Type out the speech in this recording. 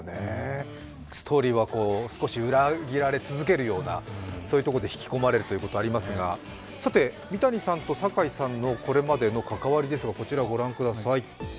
ストーリーは少し裏切られ続けるような、そういうところも引き込まれるというところもありますがさて、三谷さんと堺さんのこれまでの関わりですが、こちらご覧ください。